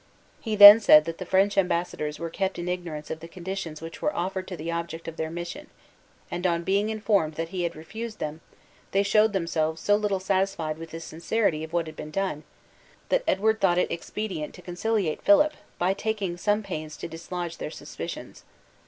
He then said that the French embassadors were kept in ignorance of the conditions which were offered to the object of their mission; and on being informed that he had refused them, they showed themselves so little satisfied with the sincerity of what had been done, that Edward thought it expedient to conciliate Philip by taking some pains to dislodge their suspicions.